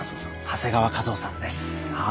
長谷川一夫さんです。